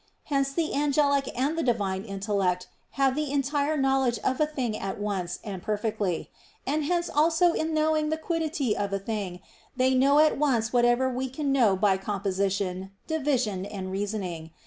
Hence the angelic and the Divine intellect have the entire knowledge of a thing at once and perfectly; and hence also in knowing the quiddity of a thing they know at once whatever we can know by composition, division, and reasoning.